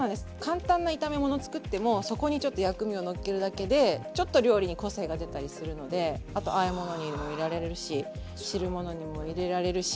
簡単な炒め物作ってもそこにちょっと薬味をのっけるだけでちょっと料理に個性が出たりするのであとあえ物にも入れられるし汁物にも入れられるし。